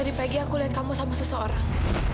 aku ingin melihat kamu sama seseorang